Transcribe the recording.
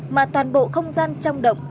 mà toàn bộ không gian trong động